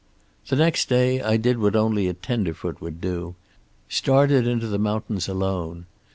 "The next day I did what only a tenderfoot would do, started into the mountains alone.